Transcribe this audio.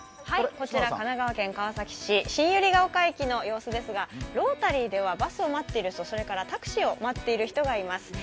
こちら神奈川県川崎市新百合ヶ丘駅の様子ですが、ロータリーではバスを待っている人それからタクシーを待っている人がいます。